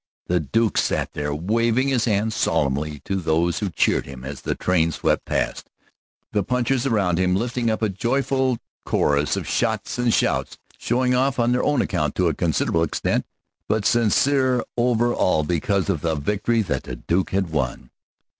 The Duke sat there waving his hand solemnly to those who cheered him as the train swept past, the punchers around him lifting up a joyful chorus of shots and shouts, showing off on their own account to a considerable extent, but sincere over all because of the victory that the Duke had won.